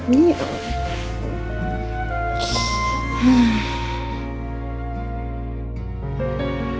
bukan mau masam